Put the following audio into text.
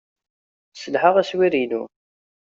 Sselhaɣ aswir-inu.